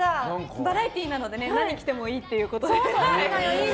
バラエティーなので何着てもいいということで。